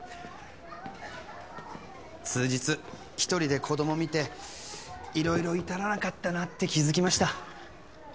数日１人で子供見て色々至らなかったなって気付きました